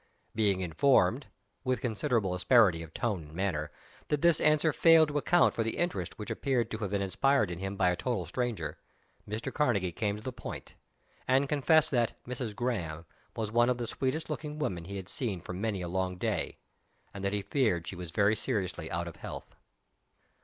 Being informed (with considerable asperity of tone and manner) that this answer failed to account for the interest which appeared to have been inspired in him by a total stranger, Mr. Karnegie came to the point, and confessed that "Mrs. Graham" was one of the sweetest looking women he had seen for many a long day, and that he feared she was very seriously out of health.